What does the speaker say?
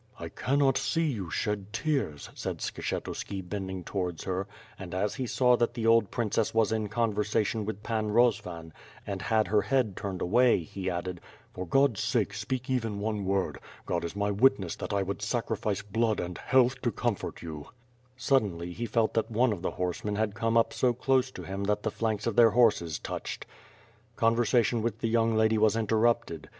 "I cannot see you shed tears,'' said Skshetuski, bending towards her; and as he saw that the old princess was in conversation with the Pan Rozvan, and had her head turned away, he added: "For God's sake, speak even one word. God is my witness that I would sacrifice blood and health to comfori: you." Suddenly he felt that one of the horsemen had come up so close to him that the flanks of their horses touched. Conversation with the young lady w as interrupted.